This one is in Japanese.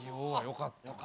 よかった。